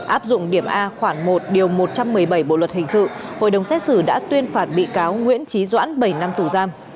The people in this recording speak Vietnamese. áp dụng điểm a khoảng một điều một trăm một mươi bảy bộ luật hình sự hội đồng xét xử đã tuyên phạt bị cáo nguyễn trí doãn bảy năm tù giam